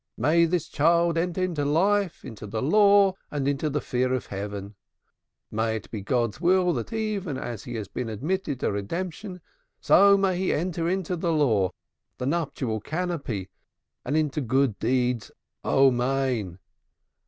May this child enter into life, into the Law, and into the fear of Heaven. May it be God's will that even as he has been admitted to redemption, so may he enter into the Law, the nuptial canopy and into good deeds. Amen."